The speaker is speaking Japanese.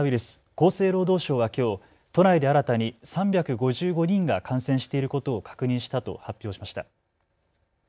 厚生労働省はきょう都内で新たに３５５人が感染していることを確認したと発表しました。